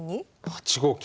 ８五金。